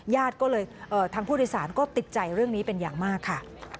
ทางผู้โดยสารก็ติดใจเรื่องนี้เป็นอย่างมากค่ะ